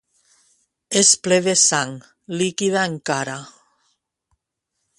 És ple de sang, líquida encara.